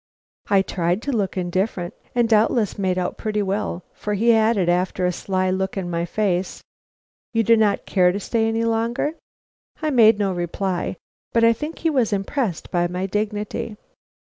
I tried to look indifferent, and doubtless made out pretty well, for he added, after a sly look in my face: "You do not care to stay any longer?" I made no reply, but I think he was impressed by my dignity.